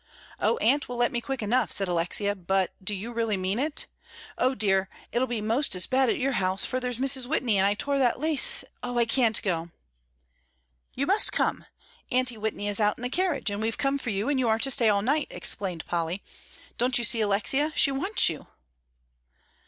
"Oh, Aunt will let me quick enough," said Alexia; "but do you really mean it? O dear, it'll be 'most as bad at your house, for there's Mrs. Whitney, and I tore that lace, oh, I can't go!" "You must come; Aunty Whitney is out in the carriage, and we've come for you, and you are to stay all night," explained Polly; "don't you see, Alexia, she wants you?"